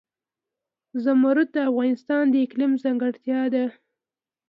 زمرد د افغانستان د اقلیم ځانګړتیا ده.